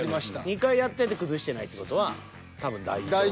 ２回やってて崩してないって事は多分大丈夫なんで。